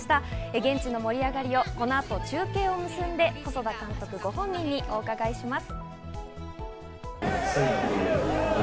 現地の盛り上がりをこの後、中継を結んで、細田監督ご本人にお伺いします。